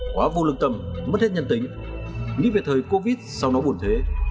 quá vô lực tầm mất hết nhân tính nghĩ về thời covid sao nó buồn thế